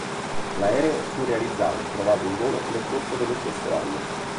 L'aereo fu realizzato e provato in volo nel corso dello stesso anno.